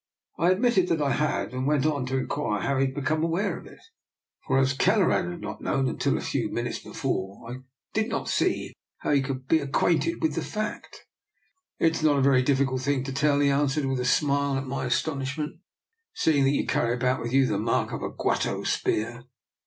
I admitted that I had, and went on to DR. NIKOLA'S EXPERIMENT. 43 inquire how he had become aware of it; for as Kelleran had not known it until a few minutes before, I did not see how he could be acquainted with the fact. " It is not a very difficult thing to tell," he answered, with a smile at my astonish ment, " seeing that you carry about with you the mark of a Gwato spear.